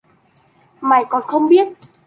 Mày còn không biết